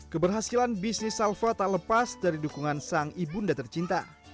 keberhasilan bisnis salva tak lepas dari dukungan sang ibunda tercinta